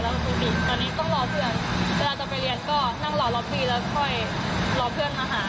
เวลาจะไปเรียนก็นั่งรอล็อปปี้แล้วค่อยรอเพื่อนมาหา